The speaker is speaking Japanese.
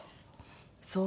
そう！